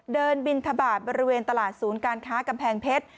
บินทบาทบริเวณตลาดศูนย์การค้ากำแพงเพชร